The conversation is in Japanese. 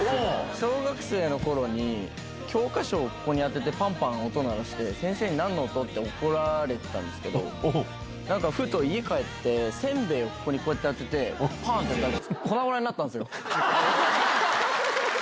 小学生のころに、教科書をここに当ててぱんぱん音鳴らして、先生になんの音？って怒られてたんですけど、なんかふと、家帰って、せんべいをここにこうやって当てて、ぱんってやったら、粉々になったんっすよ。